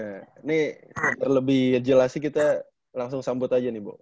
ini lebih jelas sih kita langsung sambut aja nih bu